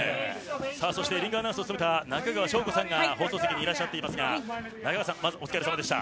そしてリングアナウンサーを務めた中川翔子さんが放送席にいらっしゃっていますが中川さんまずはお疲れさまでした。